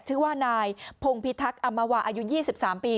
ชื่อว่านายพงพิทักษ์อมวาอายุ๒๓ปี